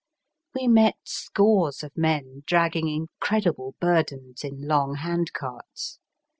We met scores of men dragging incredible burdens in long handcarts.